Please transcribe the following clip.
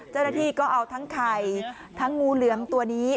เจ้าหน้าที่ก็เอาทั้งไข่ทั้งงูเหลือมตัวนี้